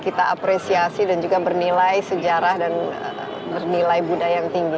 kita apresiasi dan juga bernilai sejarah dan bernilai budaya yang tinggi